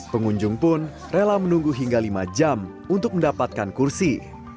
pengunjung pun rela menunggu hingga lima jam untuk mendapatkan kursi